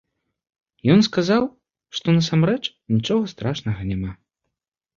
Ён сказаў, што насамрэч нічога страшнага няма.